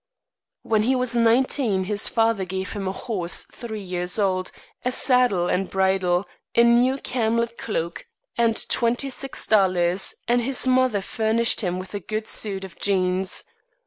When he was nineteen his father gave him a horse three years old, a saddle and bridle, a new camlet cloak, and twenty six dollars, and his mother furnished him with a good suit of jeans.